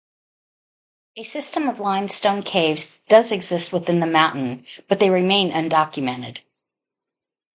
A system of limestone caves does exist within the mountain, but they remain undocumented.